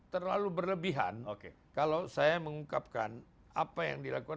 terlalu berlebihan kalau saya mengungkapkan apa yang dilakukan